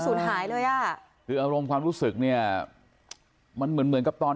ศูนย์หายเลยอ่ะคืออารมณ์ความรู้สึกเนี่ยมันเหมือนเหมือนกับตอน